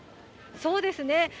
そうですね。